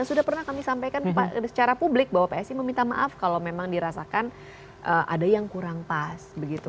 sudah pernah kami sampaikan secara publik bahwa psi meminta maaf kalau memang dirasakan ada yang kurang pas